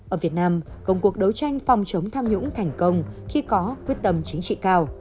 ở việt nam công cuộc đấu tranh phòng chống tham nhũng thành công khi có quyết tâm chính trị cao